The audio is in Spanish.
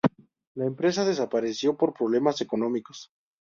La empresa desapareció por problemas económicos.